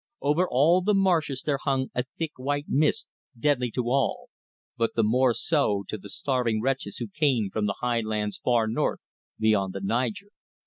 Over all the marshes there hung a thick white mist deadly to all, but the more so to the starving wretches who came from the high lands far north beyond the Niger.